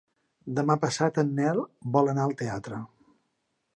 Demà passat en Nel vol anar al teatre.